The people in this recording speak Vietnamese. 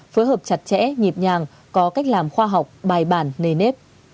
phối hợp chặt chẽ nhịp nhàng có cách làm khoa học bài bản nề nếp